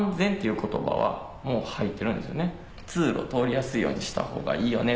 「通路通りやすいようにしたほうがいいよね」。